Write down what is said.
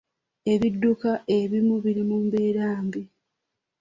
Ebidduka ebimu biri mu mbeera mbi.